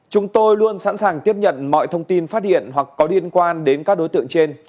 chúng tôi luôn sẵn sàng tiếp nhận mọi thông tin phát hiện hoặc có liên quan đến các đối tượng trên